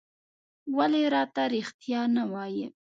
ولې راته رېښتيا نه وايې؟